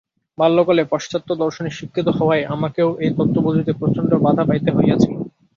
বাল্যকালে পাশ্চাত্য দর্শনে শিক্ষিত হওয়ায় আমাকেও এই তত্ত্ব বুঝিতে প্রচণ্ড বাধা পাইতে হইয়াছিল।